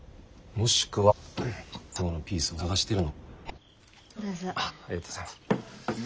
もしくは最後のピースを探してるのかもね。